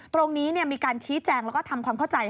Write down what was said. ตรงนี้มีการชี้แจงแล้วก็ทำความเข้าใจ